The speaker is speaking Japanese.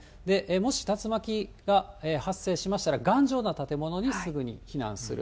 もし竜巻が発生しましたら、頑丈な建物にすぐに避難する。